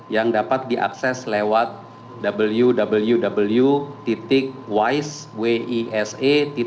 yang dapat diakses lewat www wise comanque gov id